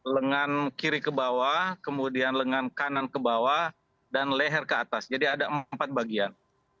lengan kiri ke bawah kemudian lengan kanan ke bawah dan leher ke atas jadi ada empat bagian